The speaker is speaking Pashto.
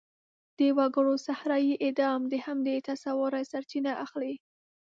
د وګړو صحرايي اعدام د همدې تصوره سرچینه اخلي.